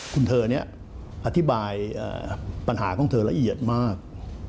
คุณเธอเนี่ยอธิบายปัญหาของเธอละเอียดมาก